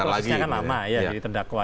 tapi prosesnya kan lama ya jadi terdakwa